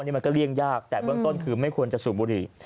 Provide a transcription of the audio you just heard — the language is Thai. นี่มันก็เลี่ยงยากแต่เบื้องต้นคือไม่ควรจะสูบบุหรี่